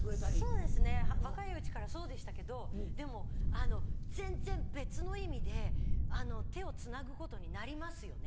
そうですね若いうちからそうでしたけどでも全然別の意味で手をつなぐことになりますよね。